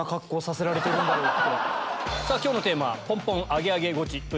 今日のテーマポンポンアゲアゲゴチ。